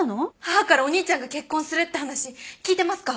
母からお兄ちゃんが結婚するって話聞いてますか？